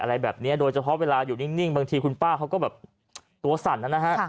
อะไรแบบนี้โดยเฉพาะเวลาอยู่นิ่งบางทีคุณป้าเขาก็แบบตัวสั่นนะฮะ